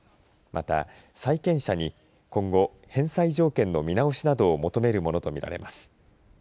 また債権者に今後、返済条件の見直しなどを求めるものと見られます。